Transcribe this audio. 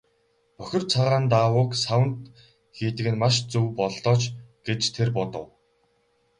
Бохир цагаан даавууг саванд хийдэг нь маш зөв боллоо ч гэж тэр бодов.